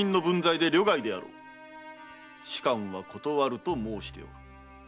仕官は断ると申しておる。